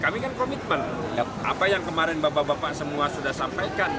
maka yang kemarin bapak bapak semua sudah sampaikan